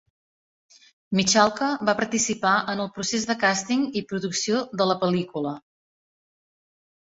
Michalka va participar en el procés de càsting i producció de la pel·lícula.